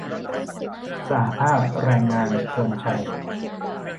สหภาพแรงงานทวนไชย์